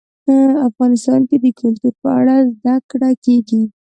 افغانستان کې د کلتور په اړه زده کړه کېږي.